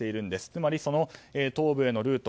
つまり東部へのルート